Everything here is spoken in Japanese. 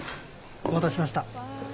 お待たせしました。